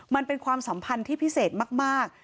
มันเป็นความสัมพันธ์ที่พิเศษมาก